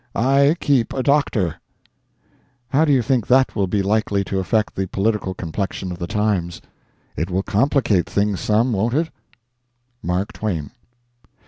I keep a doctor." How do you think that will be likely to affect the political complexion of the times? It will complicate things some, won't it? MARK TWAIN.